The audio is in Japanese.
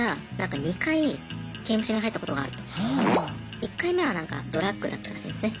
１回目はなんかドラッグだったらしいんですね。